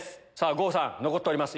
郷さん残っております